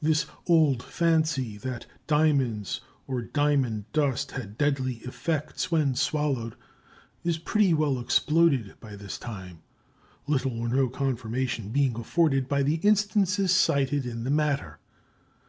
This old fancy that diamonds or diamond dust had deadly effects when swallowed is pretty well exploded by this time, little or no confirmation being afforded by the instances cited in the matter.